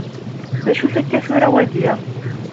D acu-t akka tura wagi?